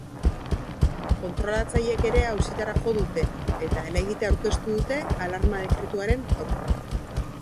Kontrolatzaileek ere auzitara jo dute, eta helegitea aurkeztu dute alarma dekretuaren aurka.